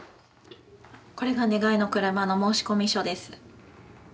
これが「願いのくるま」の申込書です。